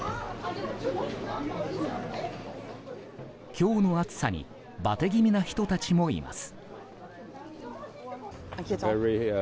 今日の暑さにバテ気味な人たちもいます。